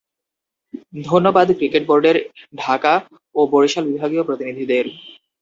ধন্যবাদ ক্রিকেট বোর্ডের ঢাকা ও বরিশাল বিভাগীয় প্রতিনিধিদের।